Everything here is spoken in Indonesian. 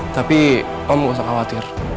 tapi om nggak usah khawatir